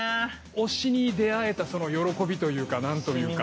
推しに出会えたその喜びというか何というか。